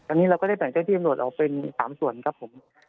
อันนี้เราก็ได้แบ่งเจ้าที่ตำรวจออกเป็น๓ส่วนครับผม